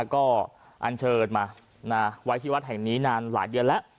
ก็อันเชิญมาไว้ที่วัดแห่งนี้นานหลายเดือนแล้ว